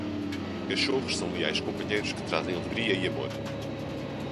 Cachorros são leais companheiros que trazem alegria e amor.